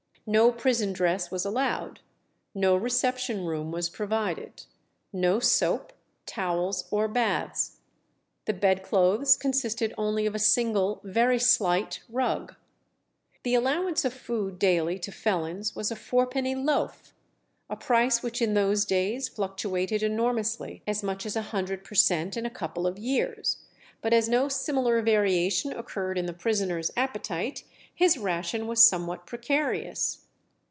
No prison dress was allowed; no reception room was provided, no soap, towels, or baths. The bedclothes consisted only of a single "very slight" rug. The allowance of food daily to felons was a fourpenny loaf, a price which in those days fluctuated enormously as much as a hundred per cent. in a couple of years; but as no similar variation occurred in the prisoner's appetite, his ration was somewhat precarious.